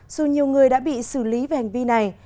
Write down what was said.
dù nhiều người đã bị xử lý về hành vi này